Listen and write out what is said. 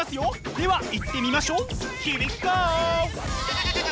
ではいってみましょうヒアウィゴー！